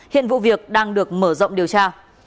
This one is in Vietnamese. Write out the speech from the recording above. hiện vụ việc đang được mở rộng điều tra